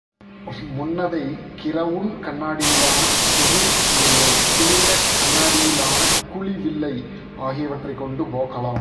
முன்னதைக் crown கண்ணாடியிலான குவிவில்லை, பிளிண்ட கண்ணாடியிலான குழிவில்லை ஆகியவற்றைக் கொண்டு போக்கலாம்.